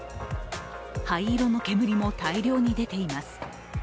灰色の煙も大量に出ています。